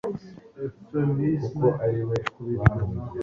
ndasaba imbabazi niba narakubabaje